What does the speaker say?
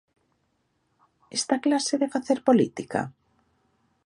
Esta clase de facer política?